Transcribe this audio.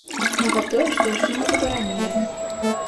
Нават тое, што яшчэ не забаранілі.